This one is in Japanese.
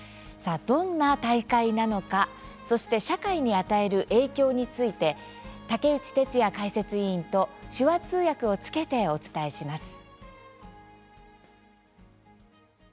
どんな大会なのかそして社会に与える影響について竹内哲哉解説委員と手話通訳をつけてお伝えします。